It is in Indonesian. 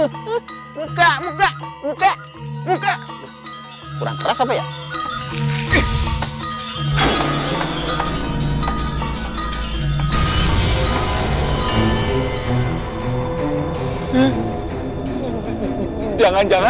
ketika mereka berdua berdua berdua